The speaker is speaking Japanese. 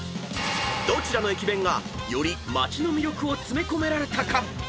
［どちらの駅弁がより街の魅力を詰め込められたか］